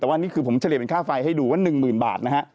แต่ว่าอันนี้ผมเฉลี่ยเป็นค่าไฟให้ดูว่า๑๐๐๐๐บาท